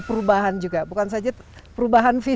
perubahan juga bukan saja perubahan